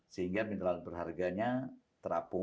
sehingga mineral berharganya terapung